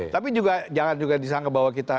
tapi juga jangan juga disangka bahwa kita